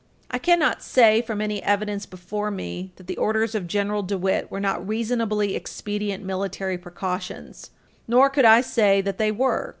I cannot say, from any evidence before me, that the orders of General DeWitt were not reasonably expedient military precautions, nor could I say that they were.